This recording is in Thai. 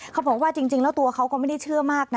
เขาบอกว่าจริงแล้วตัวเขาก็ไม่ได้เชื่อมากนะ